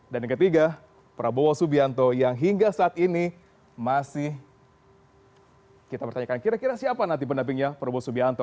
dan yang ketiga prabowo subianto yang hingga saat ini masih kita pertanyakan kira kira siapa nanti pendampingnya prabowo subianto